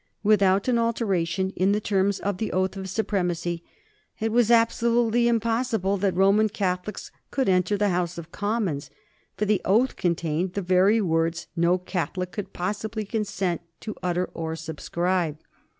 Without an alteration in the terms of the Oath of Supremacy it was absolutely impossible that Roman Catholics could enter the House of Commons, for the oath contained the very words no Catholic could possibly consent to utter or subscribe.